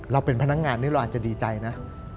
เราเป็นพนักงานนี่เราอาจจะดีใจนะ